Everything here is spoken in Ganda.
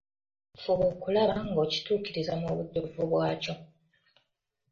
Fuba okulaba ng’okituukiriza mu bujjuvu bwakyo.